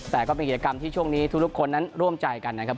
แต่ก็เป็นกิจกรรมที่ช่วงนี้ทุกคนนั้นร่วมใจกันนะครับ